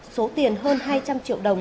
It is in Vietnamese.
số tiền hơn hai trăm linh triệu đồng